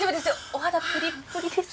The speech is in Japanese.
お肌プリップリです。